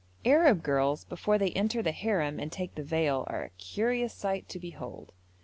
Arab girls before they enter the harem and take the veil are a curious sight to behold.